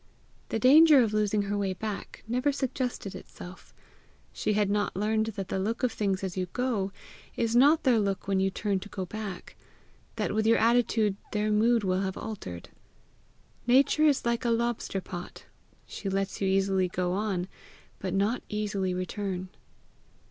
The danger of losing her way back never suggested itself. She had not learned that the look of things as you go, is not their look when you turn to go back; that with your attitude their mood will have altered. Nature is like a lobster pot: she lets you easily go on, but not easily return.